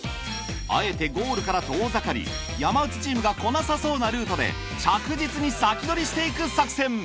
あえてゴールから遠ざかり山内チームが来なさそうなルートで着実に先取りしていく作戦。